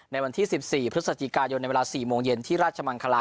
ในวันที่๑๔พฤศจิกายนในเวลา๔โมงเย็นที่ราชมังคลา